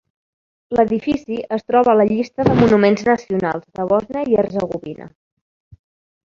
L'edifici es troba a la llista de monuments nacionals de Bòsnia i Hercegovina.